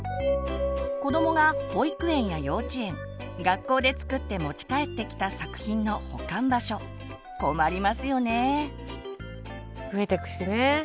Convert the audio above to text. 子どもが保育園や幼稚園学校で作って持ち帰ってきた作品の保管場所困りますよねぇ。